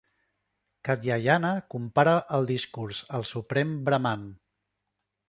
Katyayana compara el discurs al suprem Brahman.